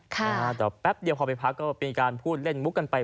แต่แป๊บเดียวพอไปพักก็เป็นการพูดเล่นมุกกันไป